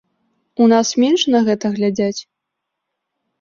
У нас менш на гэта глядзяць?